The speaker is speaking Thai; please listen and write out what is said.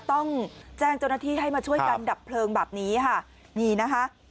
ต้องแจ้งเจ้าหน้าที่ให้มาช่วยกันดับเพลิงแบบนี้ค่ะนี่นะคะ